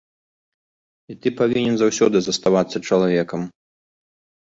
І ты павінен заўсёды заставацца чалавекам.